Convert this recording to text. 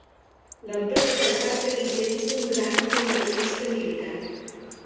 L'empresa va seguir sent un gran contractista militar.